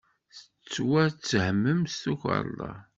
Ttwattehmen s tukerḍa.